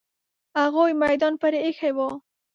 هغوی میدان پرې ایښی وو.